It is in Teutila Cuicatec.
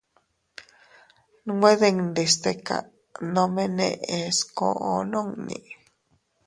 Nwe dindi stika, nome neʼes koʼo nunni.